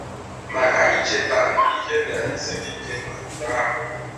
maka ichètà ndị ihe na-esiri ike n'obodo ahụ